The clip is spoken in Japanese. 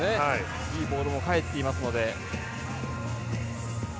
いいボールも返っていますので。